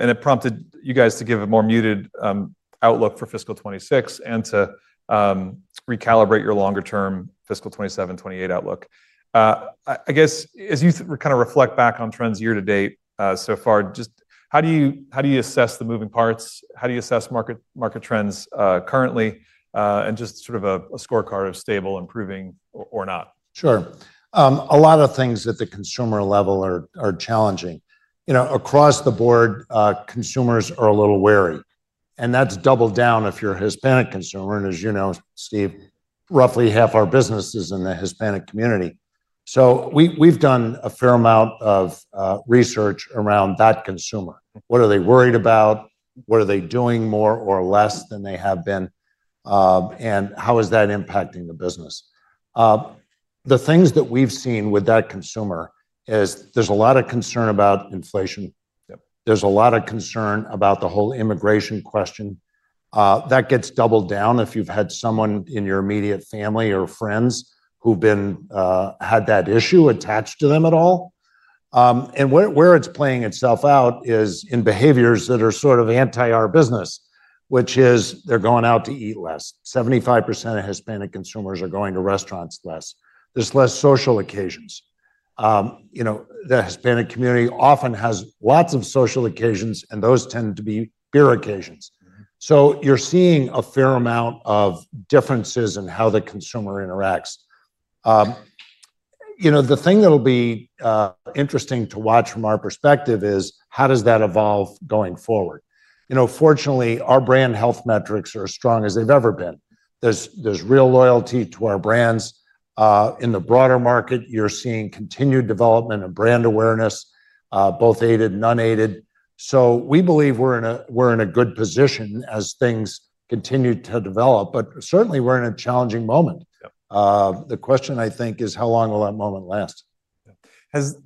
It prompted you guys to give a more muted outlook for fiscal 2026 and to recalibrate your longer-term fiscal 2027, 2028 outlook. I guess, as you kind of reflect back on trends year to date so far, just how do you assess the moving parts? How do you assess market trends currently? And just sort of a scorecard of stable, improving, or not? Sure. A lot of things at the consumer level are challenging. Across the board, consumers are a little wary. That is double down if you are a Hispanic consumer. As you know, Steve, roughly half our business is in the Hispanic community. We have done a fair amount of research around that consumer. What are they worried about? What are they doing more or less than they have been? How is that impacting the business? The things that we have seen with that consumer is there is a lot of concern about inflation. There is a lot of concern about the whole immigration question. That gets doubled down if you have had someone in your immediate family or friends who had that issue attached to them at all. Where it is playing itself out is in behaviors that are sort of anti-our business, which is they are going out to eat less. 75% of Hispanic consumers are going to restaurants less. There's less social occasions. The Hispanic community often has lots of social occasions, and those tend to be beer occasions. So you're seeing a fair amount of differences in how the consumer interacts. The thing that'll be interesting to watch from our perspective is how does that evolve going forward? Fortunately, our brand health metrics are as strong as they've ever been. There's real loyalty to our brands. In the broader market, you're seeing continued development of brand awareness, both aided and unaided. So we believe we're in a good position as things continue to develop. But certainly, we're in a challenging moment. The question, I think, is how long will that moment last?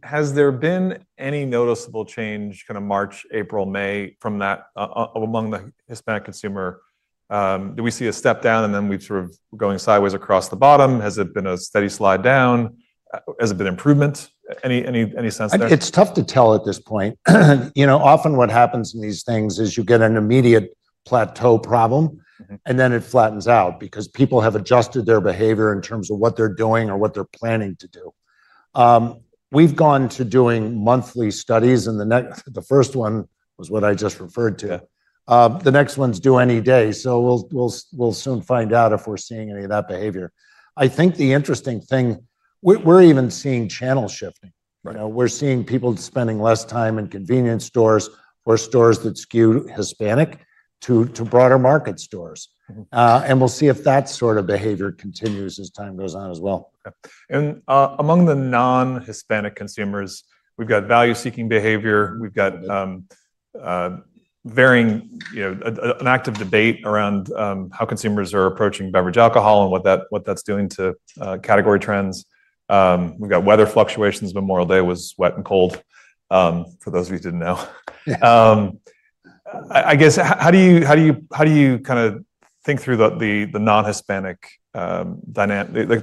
Has there been any noticeable change kind of March, April, May from that among the Hispanic consumer? Do we see a step down, and then we've sort of gone sideways across the bottom? Has it been a steady slide down? Has it been improvement? Any sense there? It's tough to tell at this point. Often what happens in these things is you get an immediate plateau problem, and then it flattens out because people have adjusted their behavior in terms of what they're doing or what they're planning to do. We've gone to doing monthly studies. The first one was what I just referred to. The next one's due any day. We'll soon find out if we're seeing any of that behavior. I think the interesting thing, we're even seeing channel shifting. We're seeing people spending less time in convenience stores or stores that skew Hispanic to broader market stores. We'll see if that sort of behavior continues as time goes on as well. Among the non-Hispanic consumers, we've got value-seeking behavior. We've got varying and active debate around how consumers are approaching beverage alcohol and what that's doing to category trends. We've got weather fluctuations. Memorial Day was wet and cold for those of you who didn't know. I guess, how do you kind of think through the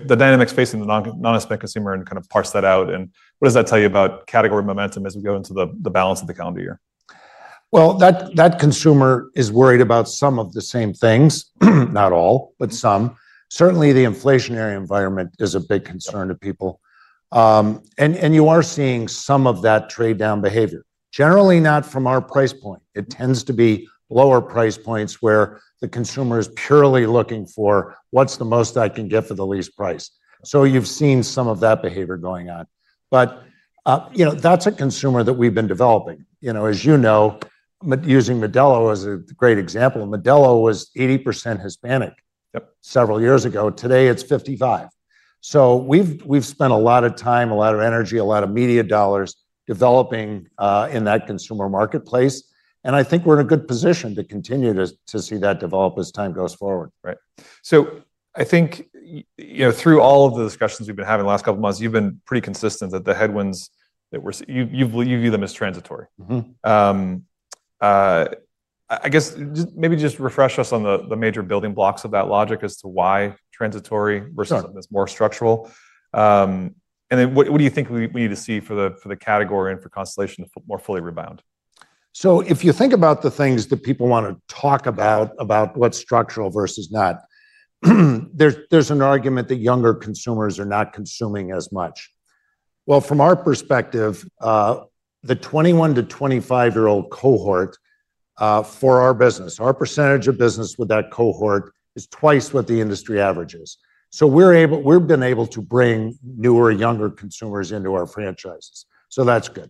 dynamics facing the non-Hispanic consumer and kind of parse that out? What does that tell you about category momentum as we go into the balance of the calendar year? That consumer is worried about some of the same things, not all, but some. Certainly, the inflationary environment is a big concern to people. You are seeing some of that trade-down behavior. Generally, not from our price point. It tends to be lower price points where the consumer is purely looking for what's the most I can get for the least price. You have seen some of that behavior going on. That is a consumer that we have been developing. As you know, using Modelo as a great example, Modelo was 80% Hispanic several years ago. Today, it is 55%. We have spent a lot of time, a lot of energy, a lot of media dollars developing in that consumer marketplace. I think we are in a good position to continue to see that develop as time goes forward. I think through all of the discussions we've been having the last couple of months, you've been pretty consistent that the headwinds that we're, you view them as transitory. I guess, maybe just refresh us on the major building blocks of that logic as to why transitory versus something that's more structural. What do you think we need to see for the category and for Constellation more fully rebound? If you think about the things that people want to talk about, about what's structural versus not, there's an argument that younger consumers are not consuming as much. From our perspective, the 21-25-year old cohort for our business, our percentage of business with that cohort is twice what the industry average is. We've been able to bring newer and younger consumers into our franchises. That's good.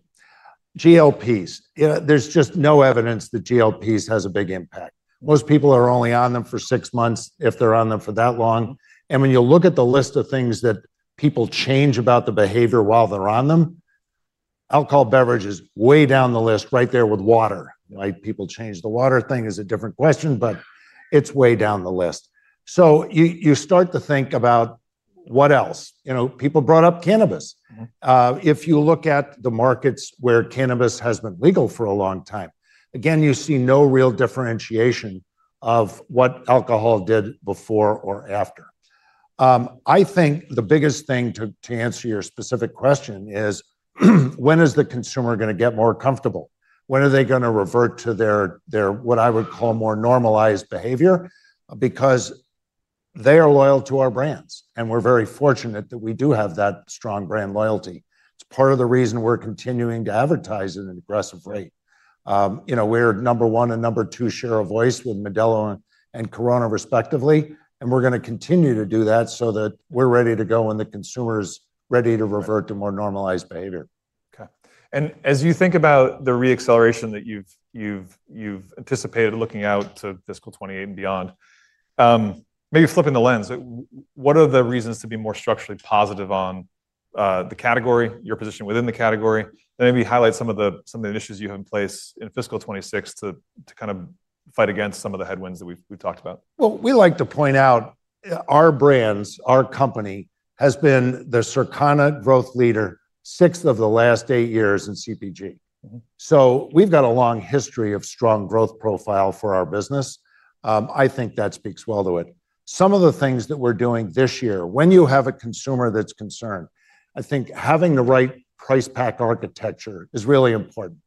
GLPs. There's just no evidence that GLPs has a big impact. Most people are only on them for six months if they're on them for that long. When you look at the list of things that people change about the behavior while they're on them, alcohol beverage is way down the list right there with water. People change the water thing is a different question, but it's way down the list. You start to think about what else. People brought up cannabis. If you look at the markets where cannabis has been legal for a long time, again, you see no real differentiation of what alcohol did before or after. I think the biggest thing to answer your specific question is when is the consumer going to get more comfortable? When are they going to revert to their what I would call more normalized behavior? Because they are loyal to our brands. And we're very fortunate that we do have that strong brand loyalty. It's part of the reason we're continuing to advertise at an aggressive rate. We're number one and number two share of voice with Modelo and Corona respectively. And we're going to continue to do that so that we're ready to go when the consumer is ready to revert to more normalized behavior. As you think about the reacceleration that you have anticipated looking out to fiscal 2028 and beyond, maybe flipping the lens, what are the reasons to be more structurally positive on the category, your position within the category? Maybe highlight some of the initiatives you have in place in fiscal 2026 to kind of fight against some of the headwinds that we have talked about. Our brands, our company has been the Circana Growth Leader, six of the last eight years in CPG. We have got a long history of strong growth profile for our business. I think that speaks well to it. Some of the things that we are doing this year, when you have a consumer that is concerned, I think having the right price pack architecture is really important.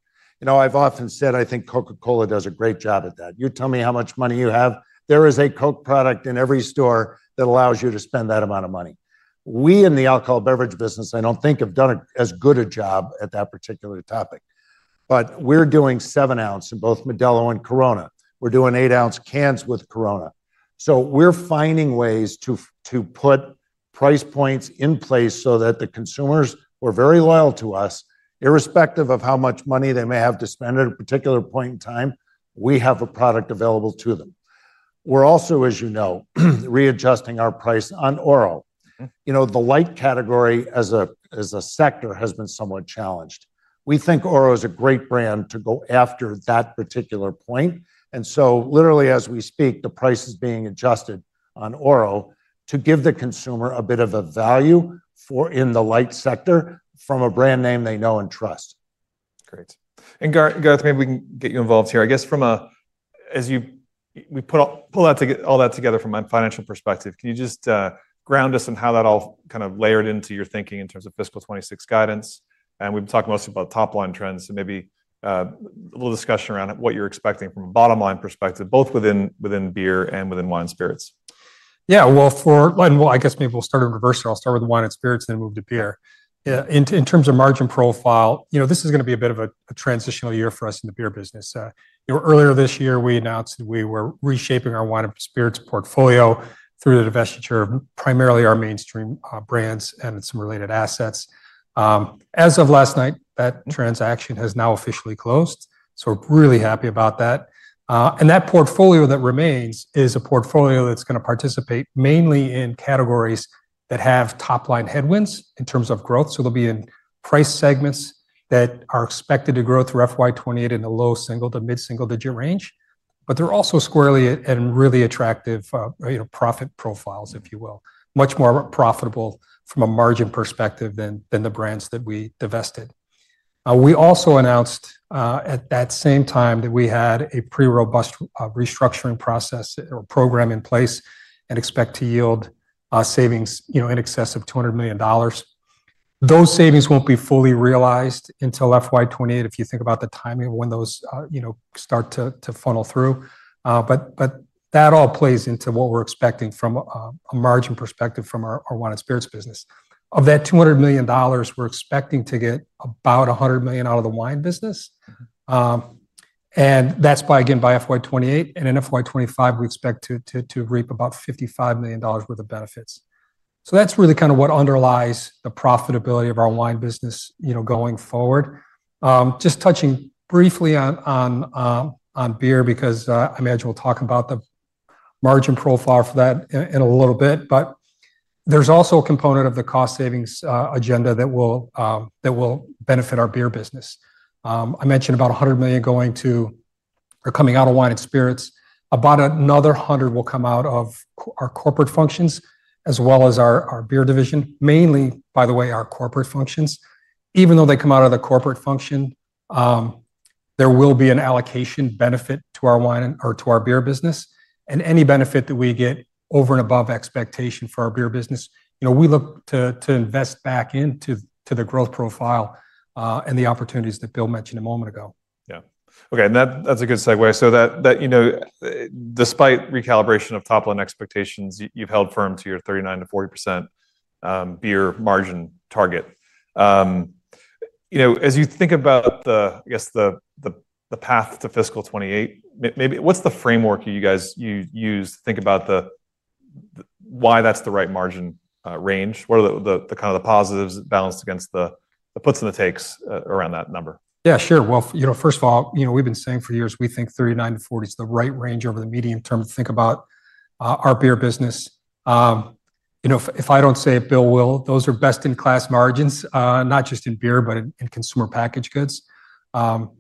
I have often said I think Coca-Cola does a great job at that. You tell me how much money you have. There is a Coke product in every store that allows you to spend that amount of money. We in the alcohol beverage business, I do not think, have done as good a job at that particular topic. We are doing 7 oz in both Modelo and Corona. We are doing 8 oz cans with Corona. We're finding ways to put price points in place so that the consumers who are very loyal to us, irrespective of how much money they may have to spend at a particular point in time, we have a product available to them. We're also, as you know, readjusting our price on Oro. The light category as a sector has been somewhat challenged. We think Oro is a great brand to go after that particular point. Literally, as we speak, the price is being adjusted on Oro to give the consumer a bit of a value in the light sector from a brand name they know and trust. Great. Garth, maybe we can get you involved here. I guess as we pull all that together from a financial perspective, can you just ground us in how that all kind of layered into your thinking in terms of fiscal 2026 guidance? We've talked mostly about top-line trends. Maybe a little discussion around what you're expecting from a bottom-line perspective, both within beer and within wine and spirits. Yeah. For, I guess maybe we'll start in reverse here. I'll start with wine and spirits and then move to beer. In terms of margin profile, this is going to be a bit of a transitional year for us in the beer business. Earlier this year, we announced that we were reshaping our wine and spirits portfolio through the divestiture of primarily our mainstream brands and some related assets. As of last night, that transaction has now officially closed. We're really happy about that. That portfolio that remains is a portfolio that's going to participate mainly in categories that have top-line headwinds in terms of growth. They'll be in price segments that are expected to grow through fiscal year 2028 in the low single to mid single-digit range. They're also squarely in really attractive profit profiles, if you will. Much more profitable from a margin perspective than the brands that we divested. We also announced at that same time that we had a pretty robust restructuring process or program in place and expect to yield savings in excess of $200 million. Those savings will not be fully realized until fiscal year 2028 if you think about the timing of when those start to funnel through. That all plays into what we are expecting from a margin perspective from our wine and spirits business. Of that $200 million, we are expecting to get about $100 million out of the wine business. That is by, again, by fiscal year 2028. In fiscal year 2025, we expect to reap about $55 million worth of benefits. That is really kind of what underlies the profitability of our wine business going forward. Just touching briefly on beer because I imagine we'll talk about the margin profile for that in a little bit. There is also a component of the cost savings agenda that will benefit our beer business. I mentioned about $100 million going to or coming out of wine and spirits. About another $100 million will come out of our corporate functions as well as our beer division, mainly, by the way, our corporate functions. Even though they come out of the corporate function, there will be an allocation benefit to our wine or to our beer business. Any benefit that we get over and above expectation for our beer business, we look to invest back into the growth profile and the opportunities that Bill mentioned a moment ago. Yeah. OK. That is a good segue. So despite recalibration of top-line expectations, you've held firm to your 39%-40% beer margin target. As you think about, I guess, the path to fiscal 2028, maybe what's the framework you guys use to think about why that's the right margin range? What are the kind of the positives balanced against the puts and the takes around that number? Yeah, sure. First of all, we've been saying for years, we think 39%-40% is the right range over the medium term to think about our beer business. If I don't say it, Bill will. Those are best-in-class margins, not just in beer, but in consumer packaged goods. Honestly,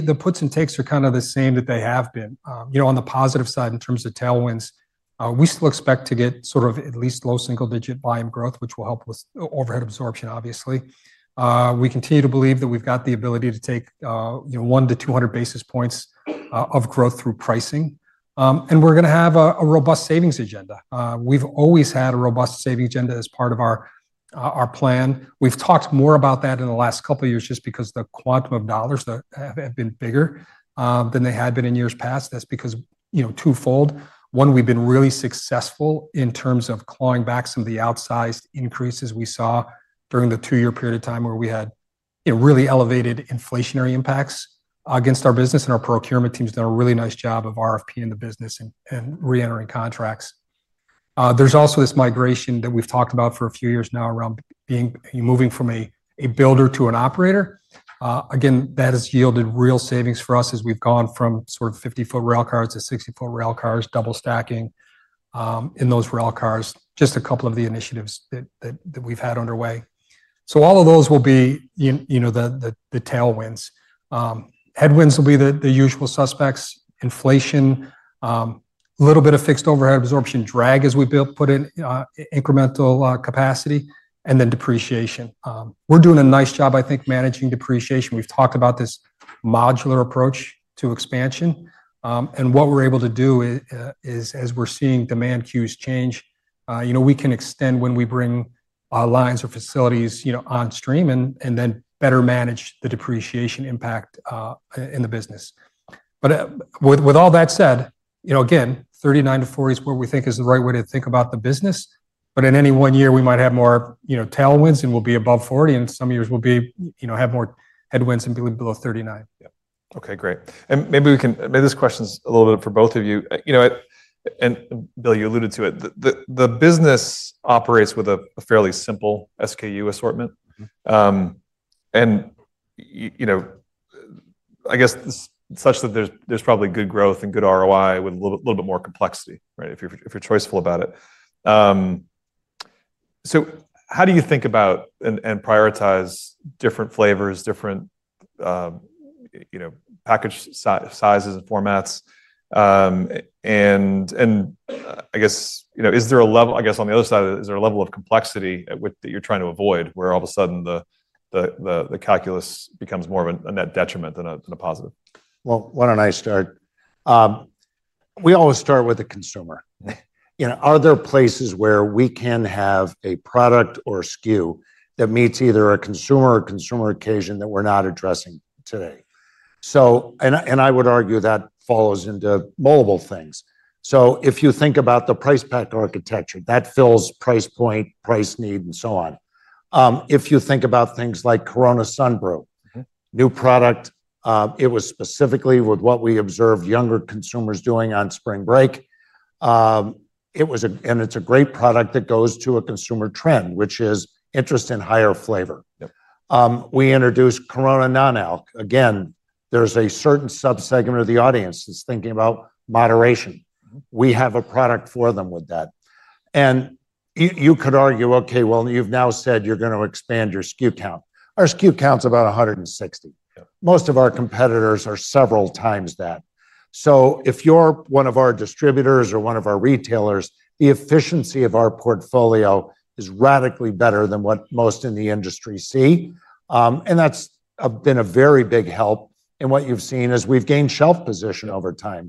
the puts and takes are kind of the same that they have been. On the positive side in terms of tailwinds, we still expect to get sort of at least low single-digit buying growth, which will help with overhead absorption, obviously. We continue to believe that we've got the ability to take 1-200 basis points of growth through pricing. We're going to have a robust savings agenda. We've always had a robust savings agenda as part of our plan. We've talked more about that in the last couple of years just because the quantum of dollars have been bigger than they had been in years past. That's because twofold. One, we've been really successful in terms of clawing back some of the outsized increases we saw during the two-year period of time where we had really elevated inflationary impacts against our business. And our procurement team's done a really nice job of RFPing the business and reentering contracts. There's also this migration that we've talked about for a few years now around moving from a builder to an operator. Again, that has yielded real savings for us as we've gone from sort of 50 ft rail cars to 60 ft rail cars, double stacking in those rail cars, just a couple of the initiatives that we've had underway. All of those will be the tailwinds. Headwinds will be the usual suspects: inflation, a little bit of fixed overhead absorption, drag, as we put it, incremental capacity, and then depreciation. We're doing a nice job, I think, managing depreciation. We've talked about this modular approach to expansion. What we're able to do is, as we're seeing demand cues change, we can extend when we bring lines or facilities on stream and then better manage the depreciation impact in the business. With all that said, again, 39%-40% is what we think is the right way to think about the business. In any one year, we might have more tailwinds and we'll be above 40%. Some years we'll have more headwinds and be below 39%. OK, great. Maybe this question's a little bit for both of you. Bill, you alluded to it. The business operates with a fairly simple SKU assortment. I guess such that there's probably good growth and good ROI with a little bit more complexity if you're choiceful about it. How do you think about and prioritize different flavors, different package sizes and formats? I guess, on the other side, is there a level of complexity that you're trying to avoid where all of a sudden the calculus becomes more of a net detriment than a positive? We always start with the consumer. Are there places where we can have a product or a SKU that meets either a consumer or consumer occasion that we're not addressing today? I would argue that falls into multiple things. If you think about the price pack architecture, that fills price point, price need, and so on. If you think about things like Corona Sunbrew, new product, it was specifically with what we observed younger consumers doing on spring break. It's a great product that goes to a consumer trend, which is interest in higher flavor. We introduced Corona Non-alc. Again, there's a certain subsegment of the audience that's thinking about moderation. We have a product for them with that. You could argue, OK, you've now said you're going to expand your SKU count. Our SKU count's about 160. Most of our competitors are several times that. If you're one of our distributors or one of our retailers, the efficiency of our portfolio is radically better than what most in the industry see. That has been a very big help. What you've seen is we've gained shelf position over time.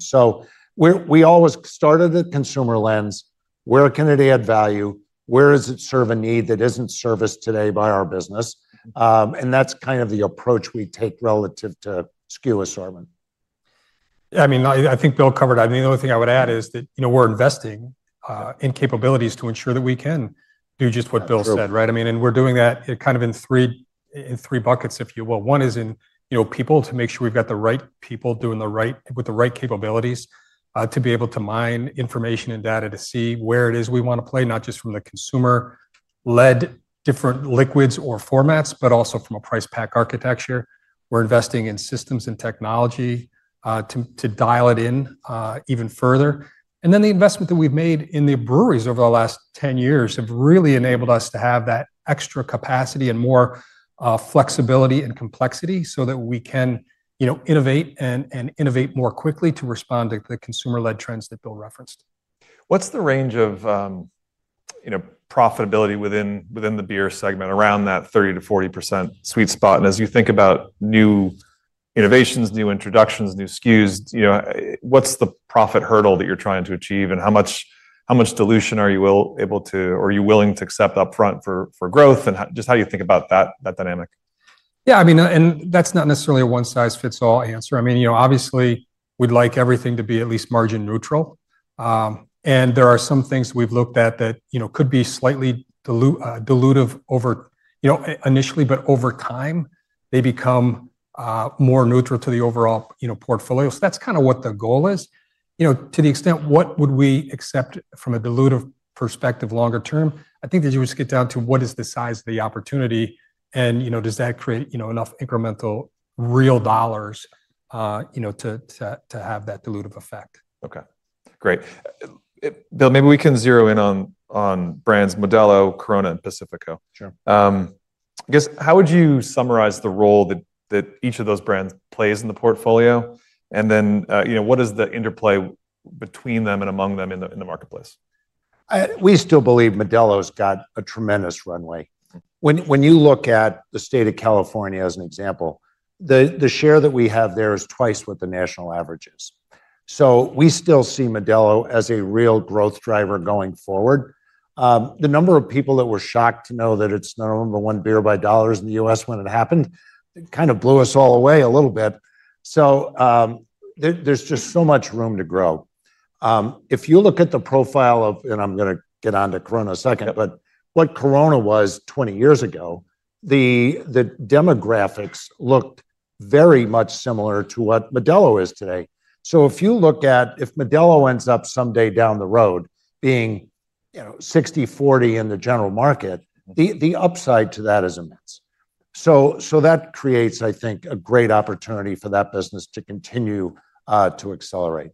We always start at the consumer lens. Where can it add value? Where does it serve a need that isn't serviced today by our business? That's kind of the approach we take relative to SKU assortment. I mean, I think Bill covered that. The only thing I would add is that we're investing in capabilities to ensure that we can do just what Bill said. Right? I mean, we're doing that kind of in three buckets, if you will. One is in people to make sure we've got the right people doing the right with the right capabilities to be able to mine information and data to see where it is we want to play, not just from the consumer-led different liquids or formats, but also from a price pack architecture. We're investing in systems and technology to dial it in even further. The investment that we've made in the breweries over the last 10 years have really enabled us to have that extra capacity and more flexibility and complexity so that we can innovate and innovate more quickly to respond to the consumer-led trends that Bill referenced. What's the range of profitability within the beer segment around that 30%-40% sweet spot? As you think about new innovations, new introductions, new SKUs, what's the profit hurdle that you're trying to achieve? How much dilution are you able to or are you willing to accept upfront for growth? Just how do you think about that dynamic? Yeah. I mean, and that's not necessarily a one-size-fits-all answer. I mean, obviously, we'd like everything to be at least margin neutral. There are some things we've looked at that could be slightly dilutive initially, but over time, they become more neutral to the overall portfolio. That's kind of what the goal is. To the extent what would we accept from a dilutive perspective longer term, I think that you would just get down to what is the size of the opportunity? Does that create enough incremental real dollars to have that dilutive effect? OK. Great. Bill, maybe we can zero in on brands Modelo, Corona, and Pacifico. Sure. I guess, how would you summarize the role that each of those brands plays in the portfolio? What is the interplay between them and among them in the marketplace? We still believe Modelo's got a tremendous runway. When you look at the state of California as an example, the share that we have there is twice what the national average is. So we still see Modelo as a real growth driver going forward. The number of people that were shocked to know that it's number one beer by dollars in the U.S. when it happened kind of blew us all away a little bit. So there's just so much room to grow. If you look at the profile of, and I'm going to get on to Corona in a second, but what Corona was 20 years ago, the demographics looked very much similar to what Modelo is today. So if you look at if Modelo ends up someday down the road being 60%, 40% in the general market, the upside to that is immense. That creates, I think, a great opportunity for that business to continue to accelerate.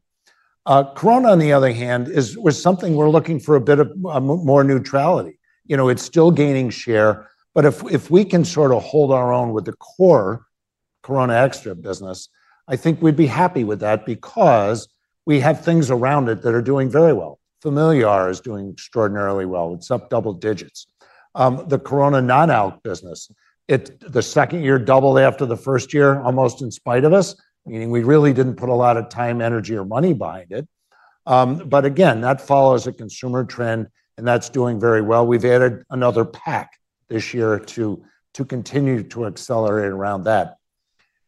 Corona, on the other hand, was something we're looking for a bit of more neutrality. It's still gaining share. If we can sort of hold our own with the core Corona Extra business, I think we'd be happy with that because we have things around it that are doing very well. Familiar is doing extraordinarily well. It's up double digits. The Corona Non-alc business, the second year doubled after the first year almost in spite of us, meaning we really didn't put a lot of time, energy, or money behind it. Again, that follows a consumer trend, and that's doing very well. We've added another pack this year to continue to accelerate around that.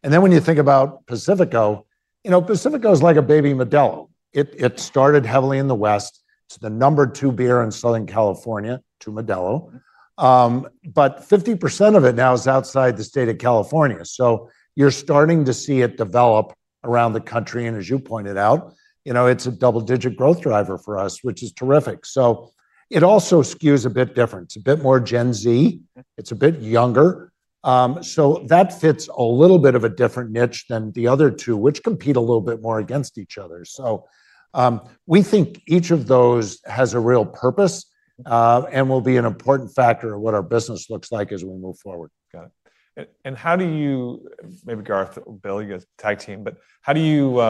When you think about Pacifico, Pacifico is like a baby Modelo. It started heavily in the West. It's the number two beer in Southern California to Modelo. 50% of it now is outside the state of California. You are starting to see it develop around the country. As you pointed out, it is a double-digit growth driver for us, which is terrific. It also SKUs a bit different. It is a bit more Gen Z. It is a bit younger. That fits a little bit of a different niche than the other two, which compete a little bit more against each other. We think each of those has a real purpose and will be an important factor of what our business looks like as we move forward. Got it. How do you, maybe Garth or Bill, you guys' tag team, but how do you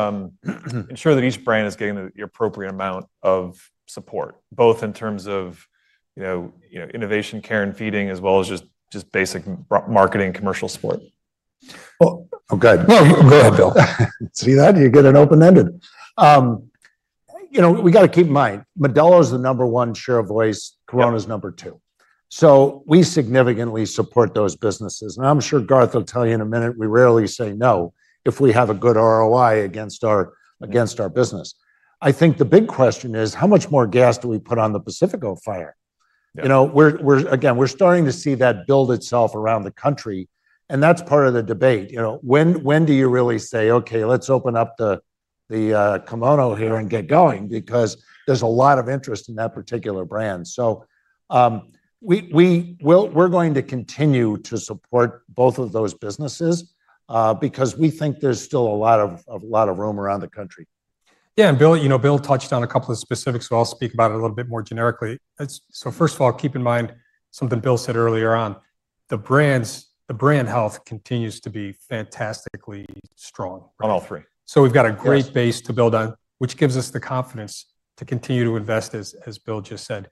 ensure that each brand is getting the appropriate amount of support, both in terms of innovation, care and feeding, as well as just basic marketing and commercial support? Go ahead, Bill. See that? You get it open-ended. We've got to keep in mind Modelo is the number one share of voice. Corona's number two. We significantly support those businesses. I'm sure Garth will tell you in a minute, we rarely say no if we have a good ROI against our business. I think the big question is, how much more gas do we put on the Pacifico fire? Again, we're starting to see that build itself around the country. That's part of the debate. When do you really say, OK, let's open up the kimono here and get going because there's a lot of interest in that particular brand? We're going to continue to support both of those businesses because we think there's still a lot of room around the country. Yeah. Bill touched on a couple of specifics. I'll speak about it a little bit more generically. First of all, keep in mind something Bill said earlier on. The brand health continues to be fantastically strong. On all three. We have got a great base to build on, which gives us the confidence to continue to invest, as Bill just said.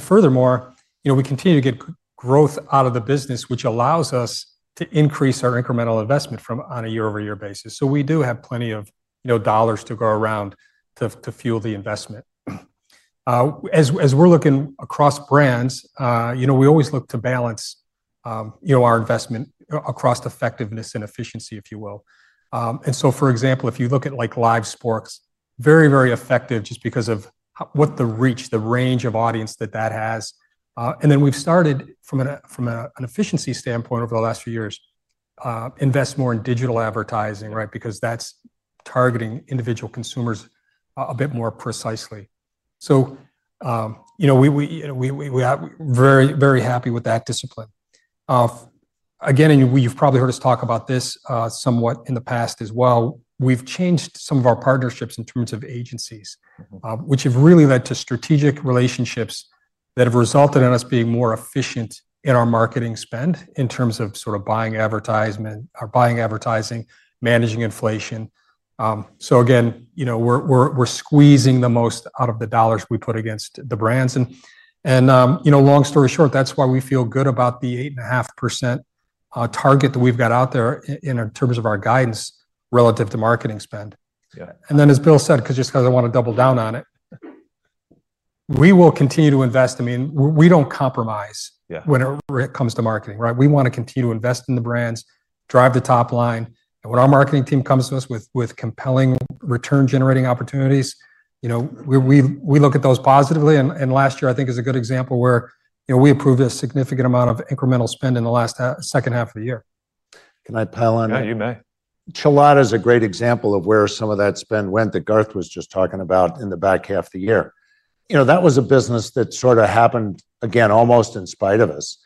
Furthermore, we continue to get growth out of the business, which allows us to increase our incremental investment on a year-over-year basis. We do have plenty of dollars to go around to fuel the investment. As we are looking across brands, we always look to balance our investment across effectiveness and efficiency, if you will. For example, if you look at Livesports, very, very effective just because of what the reach, the range of audience that that has. We have started, from an efficiency standpoint over the last few years, to invest more in digital advertising because that is targeting individual consumers a bit more precisely. We are very, very happy with that discipline. Again, and you've probably heard us talk about this somewhat in the past as well, we've changed some of our partnerships in terms of agencies, which have really led to strategic relationships that have resulted in us being more efficient in our marketing spend in terms of sort of buying advertisement, buying advertising, managing inflation. Again, we're squeezing the most out of the dollars we put against the brands. Long story short, that's why we feel good about the 8.5% target that we've got out there in terms of our guidance relative to marketing spend. Then as Bill said, just because I want to double down on it, we will continue to invest. I mean, we don't compromise when it comes to marketing. We want to continue to invest in the brands, drive the top line. When our marketing team comes to us with compelling return-generating opportunities, we look at those positively. Last year, I think, is a good example where we approved a significant amount of incremental spend in the last second half of the year. Can I pile on? Yeah, you may. Chelada is a great example of where some of that spend went that Garth was just talking about in the back half of the year. That was a business that sort of happened, again, almost in spite of us.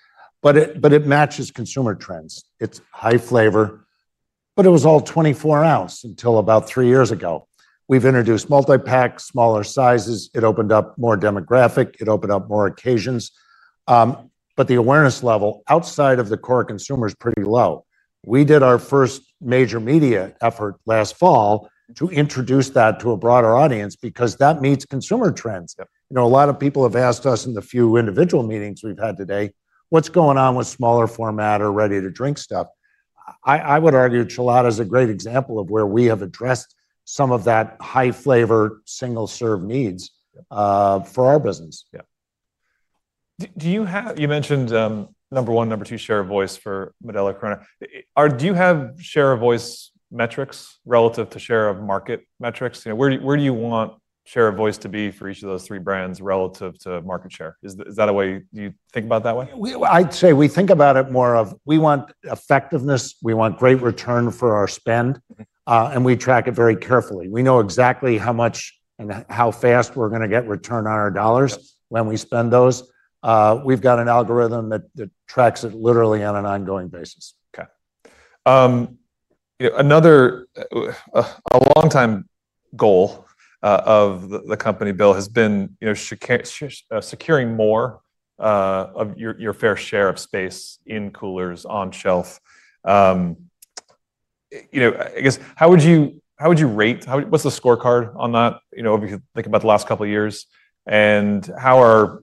It matches consumer trends. It is high flavor. It was all 24 oz until about three years ago. We have introduced multi-pack, smaller sizes. It opened up more demographic. It opened up more occasions. The awareness level outside of the core consumer is pretty low. We did our first major media effort last fall to introduce that to a broader audience because that meets consumer trends. A lot of people have asked us in the few individual meetings we have had today, what is going on with smaller format or ready-to-drink stuff? I would argue Chelada is a great example of where we have addressed some of that high flavor single-serve needs for our business. Yeah. You mentioned number one, number two share of voice for Modelo, Corona. Do you have share of voice metrics relative to share of market metrics? Where do you want share of voice to be for each of those three brands relative to market share? Is that a way you think about that way? I'd say we think about it more of we want effectiveness. We want great return for our spend. We track it very carefully. We know exactly how much and how fast we're going to get return on our dollars when we spend those. We've got an algorithm that tracks it literally on an ongoing basis. OK. Another long-time goal of the company, Bill, has been securing more of your fair share of space in coolers on shelf. I guess, how would you rate? What's the scorecard on that if you think about the last couple of years? How are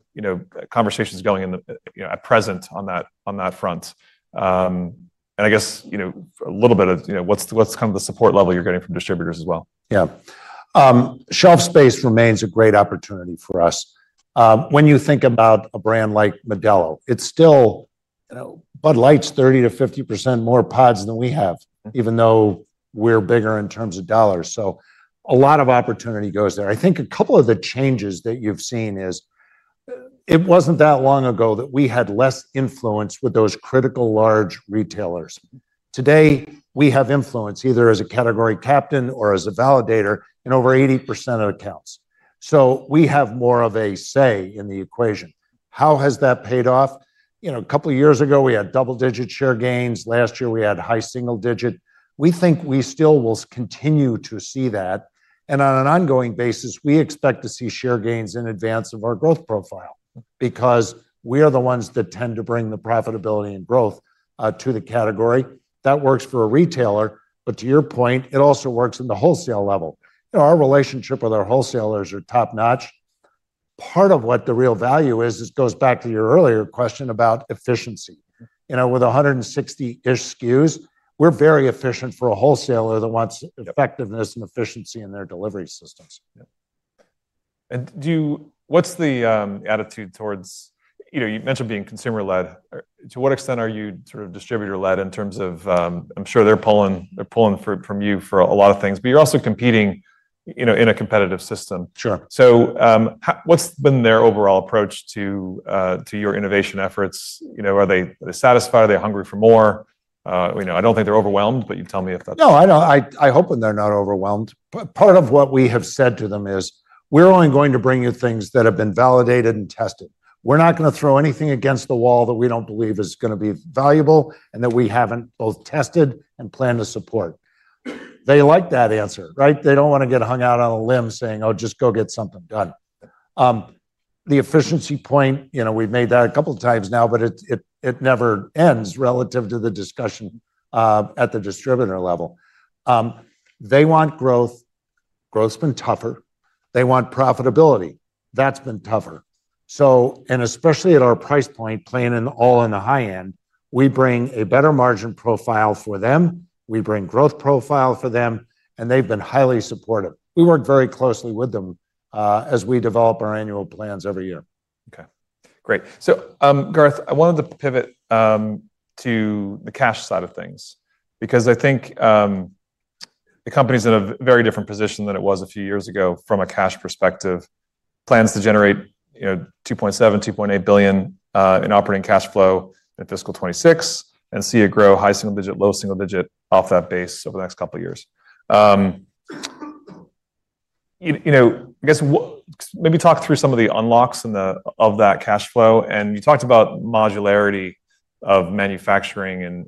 conversations going at present on that front? I guess a little bit of what's kind of the support level you're getting from distributors as well? Yeah. Shelf space remains a great opportunity for us. When you think about a brand like Modelo, it still Bud Light's 30%-50% more pods than we have, even though we're bigger in terms of dollars. So a lot of opportunity goes there. I think a couple of the changes that you've seen is it wasn't that long ago that we had less influence with those critical large retailers. Today, we have influence either as a category captain or as a validator in over 80% of accounts. So we have more of a say in the equation. How has that paid off? A couple of years ago, we had double-digit share gains. Last year, we had high single-digit. We think we still will continue to see that. On an ongoing basis, we expect to see share gains in advance of our growth profile because we are the ones that tend to bring the profitability and growth to the category. That works for a retailer. To your point, it also works in the wholesale level. Our relationship with our wholesalers is top-notch. Part of what the real value is, it goes back to your earlier question about efficiency. With 160-ish SKUs, we're very efficient for a wholesaler that wants effectiveness and efficiency in their delivery systems. What's the attitude towards, you mentioned being consumer-led. To what extent are you sort of distributor-led in terms of, I'm sure they're pulling from you for a lot of things. You're also competing in a competitive system. Sure. What's been their overall approach to your innovation efforts? Are they satisfied? Are they hungry for more? I don't think they're overwhelmed, but you tell me if that's. No, I hope they're not overwhelmed. Part of what we have said to them is we're only going to bring you things that have been validated and tested. We're not going to throw anything against the wall that we don't believe is going to be valuable and that we haven't both tested and plan to support. They like that answer, right? They don't want to get hung out on a limb saying, oh, just go get something done. The efficiency point, we've made that a couple of times now, but it never ends relative to the discussion at the distributor level. They want growth. Growth's been tougher. They want profitability. That's been tougher. Especially at our price point, playing all in the high end, we bring a better margin profile for them. We bring growth profile for them. They've been highly supportive. We work very closely with them as we develop our annual plans every year. OK. Great. Garth, I wanted to pivot to the cash side of things because I think the company is in a very different position than it was a few years ago from a cash perspective. Plans to generate $2.7 billion-$2.8 billion in operating cash flow in fiscal 2026 and see it grow high single-digit, low single-digit off that base over the next couple of years. I guess maybe talk through some of the unlocks of that cash flow. You talked about modularity of manufacturing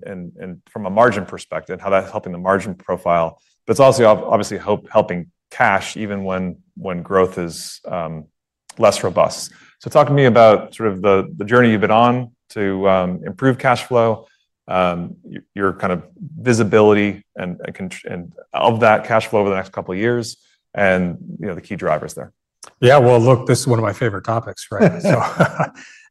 from a margin perspective and how that's helping the margin profile. It is also obviously helping cash even when growth is less robust. Talk to me about sort of the journey you have been on to improve cash flow, your kind of visibility of that cash flow over the next couple of years, and the key drivers there. Yeah. Look, this is one of my favorite topics.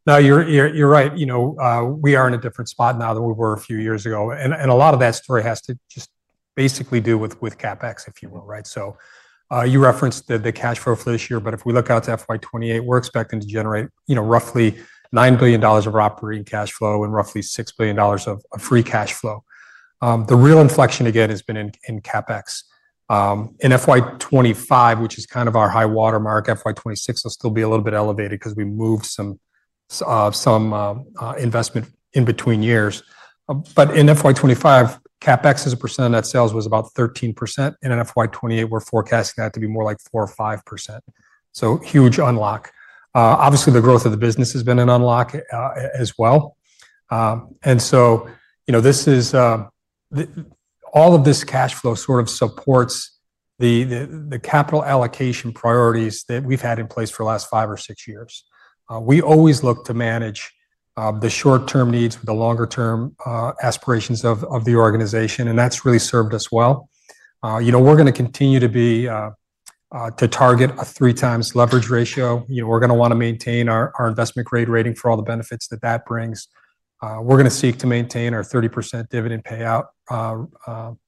Now, you're right. We are in a different spot now than we were a few years ago. A lot of that story has to just basically do with CapEx, if you will. You referenced the cash flow for this year. If we look out to fiscal year 2028, we're expecting to generate roughly $9 billion of operating cash flow and roughly $6 billion of free cash flow. The real inflection, again, has been in CapEx. In FY 2025, which is kind of our high watermark, FY 2026 will still be a little bit elevated because we moved some investment in between years. In FY 2025, CapEx as a percent of net sales was about 13%. In FY 2028, we're forecasting that to be more like 4%-5%. Huge unlock. Obviously, the growth of the business has been an unlock as well. All of this cash flow sort of supports the capital allocation priorities that we've had in place for the last five or six years. We always look to manage the short-term needs with the longer-term aspirations of the organization. That's really served us well. We're going to continue to target a 3x leverage ratio. We're going to want to maintain our investment grade rating for all the benefits that that brings. We're going to seek to maintain our 30% dividend payout.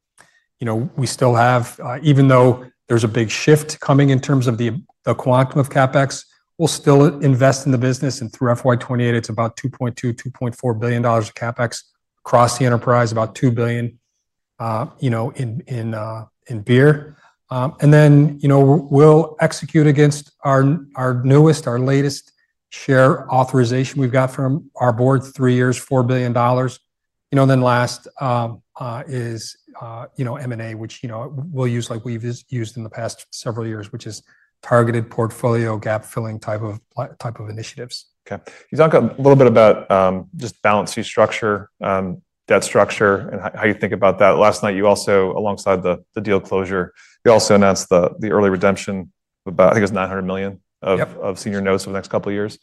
We still have, even though there's a big shift coming in terms of the quantum of CapEx, we'll still invest in the business. Through FY 2028, it's about $2.2 billion-$2.4 billion of CapEx across the enterprise, about $2 billion in beer. We will execute against our newest, our latest share authorization we have got from our board, three years, $4 billion. Last is M&A, which we will use like we have used in the past several years, which is targeted portfolio gap filling type of initiatives. OK. You talk a little bit about just balance sheet structure, debt structure, and how you think about that. Last night, you also, alongside the deal closure, you also announced the early redemption of, I think it was $900 million of senior notes over the next couple of years.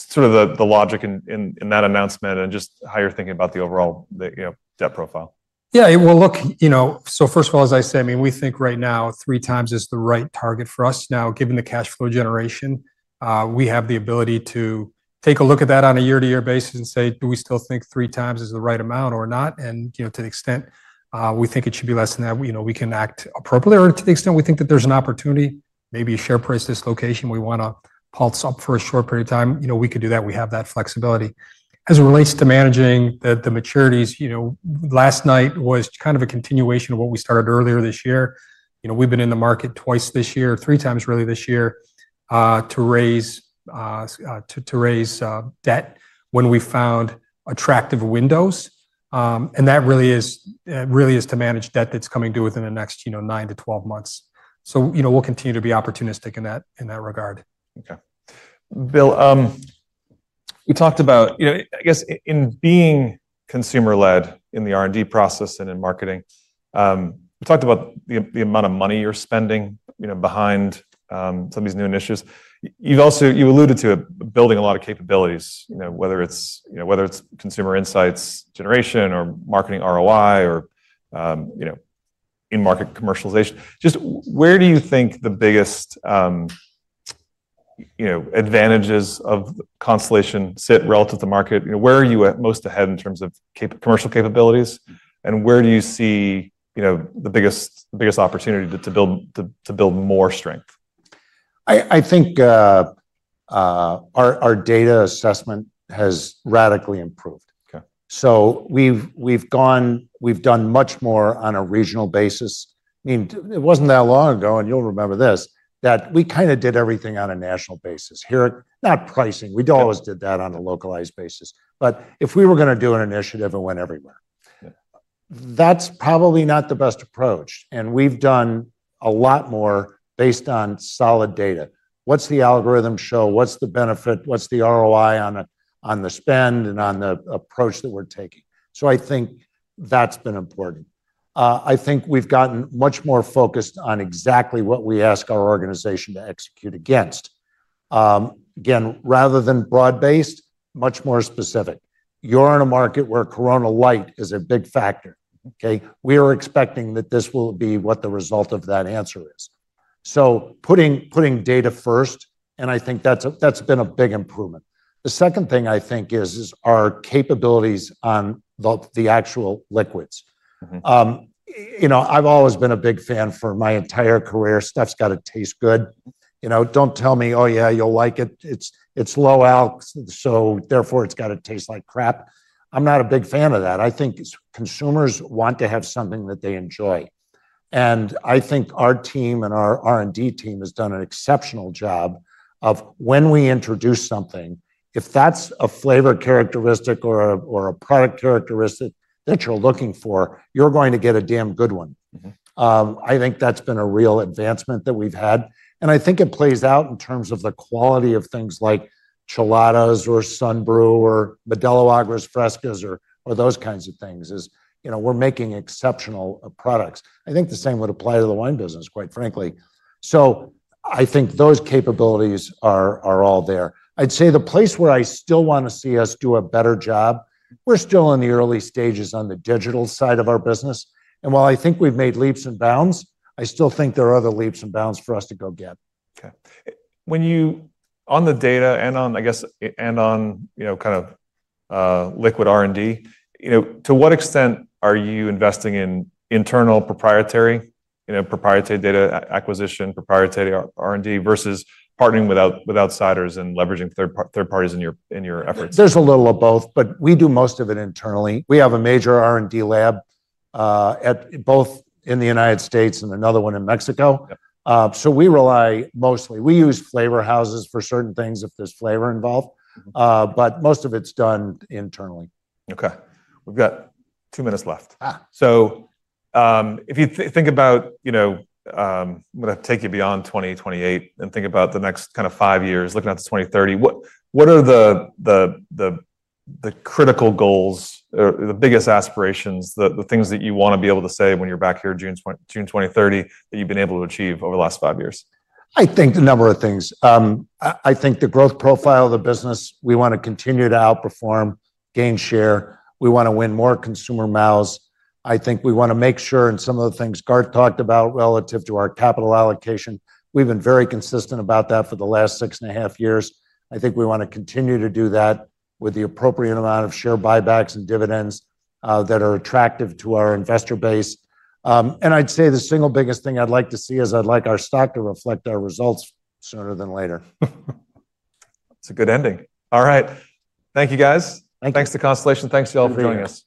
Sort of the logic in that announcement and just how you're thinking about the overall debt profile. Yeah. Look, first of all, as I said, I mean, we think right now three times is the right target for us. Now, given the cash flow generation, we have the ability to take a look at that on a year-to-year basis and say, do we still think 3x is the right amount or not? To the extent we think it should be less than that, we can act appropriately. To the extent we think that there's an opportunity, maybe share price dislocation, we want to pulse up for a short period of time, we could do that. We have that flexibility. As it relates to managing the maturities, last night was kind of a continuation of what we started earlier this year. We've been in the market twice this year, 3x really this year to raise debt when we found attractive windows. That really is to manage debt that's coming due within the next 9-12 months. We'll continue to be opportunistic in that regard. OK. Bill, we talked about, I guess, in being consumer-led in the R&D process and in marketing, we talked about the amount of money you're spending behind some of these new initiatives. You alluded to building a lot of capabilities, whether it's consumer insights generation or marketing ROI or in-market commercialization. Just where do you think the biggest advantages of Constellation sit relative to the market? Where are you most ahead in terms of commercial capabilities? Where do you see the biggest opportunity to build more strength? I think our data assessment has radically improved. We've done much more on a regional basis. I mean, it wasn't that long ago, and you'll remember this, that we kind of did everything on a national basis. Not pricing. We always did that on a localized basis. If we were going to do an initiative and went everywhere, that's probably not the best approach. We've done a lot more based on solid data. What's the algorithm show? What's the benefit? What's the ROI on the spend and on the approach that we're taking? I think that's been important. I think we've gotten much more focused on exactly what we ask our organization to execute against. Again, rather than broad-based, much more specific. You're in a market where Corona Light is a big factor. We are expecting that this will be what the result of that answer is. Putting data first, and I think that's been a big improvement. The second thing I think is our capabilities on the actual liquids. I've always been a big fan for my entire career. Stuff's got to taste good. Don't tell me, oh yeah, you'll like it. It's low-alc, so therefore it's got to taste like crap. I'm not a big fan of that. I think consumers want to have something that they enjoy. I think our team and our R&D team has done an exceptional job of when we introduce something, if that's a flavor characteristic or a product characteristic that you're looking for, you're going to get a damn good one. I think that's been a real advancement that we've had. I think it plays out in terms of the quality of things like Chelada or Sunbrew or Modelo Aguas Frescas or those kinds of things is we're making exceptional products. I think the same would apply to the wine business, quite frankly. I think those capabilities are all there. I'd say the place where I still want to see us do a better job, we're still in the early stages on the digital side of our business. While I think we've made leaps and bounds, I still think there are other leaps and bounds for us to go get. OK. On the data and on, I guess, and on kind of liquid R&D, to what extent are you investing in internal proprietary data acquisition, proprietary R&D versus partnering with outsiders and leveraging third parties in your efforts? There's a little of both. We do most of it internally. We have a major R&D lab both in the United States and another one in Mexico. We rely mostly, we use flavor houses for certain things if there's flavor involved. Most of it's done internally. OK. We've got two minutes left. If you think about, I'm going to take you beyond 2028 and think about the next kind of five years, looking out to 2030, what are the critical goals or the biggest aspirations, the things that you want to be able to say when you're back here June 2030 that you've been able to achieve over the last five years? I think the number of things. I think the growth profile of the business, we want to continue to outperform, gain share. We want to win more consumer mouths. I think we want to make sure in some of the things Garth talked about relative to our capital allocation. We have been very consistent about that for the last six and a half years. I think we want to continue to do that with the appropriate amount of share buybacks and dividends that are attractive to our investor base. I would say the single biggest thing I would like to see is I would like our stock to reflect our results sooner than later. That's a good ending. All right. Thank you, guys. Thank you. Thanks to Constellation. Thanks to you all for joining us.